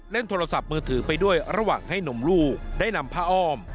โทรศัพท์มือถือไปด้วยระหว่างให้นมลูกได้นำผ้าอ้อม